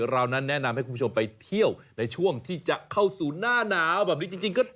ว่าเราต้องไปเที่ยวในช่วงที่จะเข้าสู่หน้าหนาวแบบนี้จริงก็